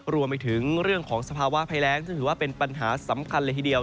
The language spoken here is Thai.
รวมไปถึงเรื่องของสภาวะภัยแรงซึ่งถือว่าเป็นปัญหาสำคัญเลยทีเดียว